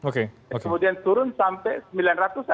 kemudian turun sampai sembilan ratus an